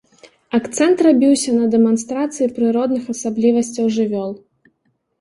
Акцэнт рабіўся на дэманстрацыі прыродных асаблівасцяў жывёл.